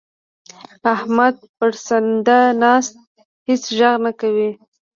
احمد پړسنده ناست؛ هيڅ ږغ نه کوي.